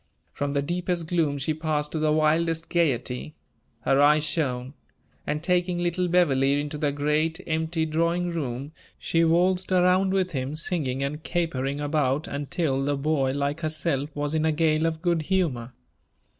From the deepest gloom she passed to the wildest gayety. Her eyes shone; and taking little Beverley into the great, empty drawing room, she waltzed around with him, singing and capering about until the boy, like herself, was in a gale of good humor.